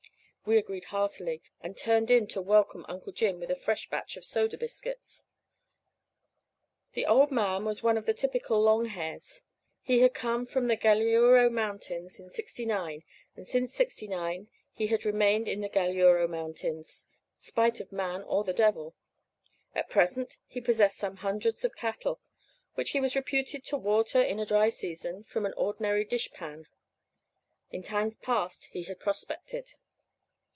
We agreed heartily, and turned in to welcome Uncle Jim with a fresh batch of soda biscuits. The old man was one of the typical "long hairs." He had come to the Galiuro Mountains in '69, and since '69 he had remained in the Galiuro Mountains, spite of man or the devil. At present he possessed some hundreds of cattle, which he was reputed to water, in a dry season, from an ordinary dish pan. In times past he had prospected.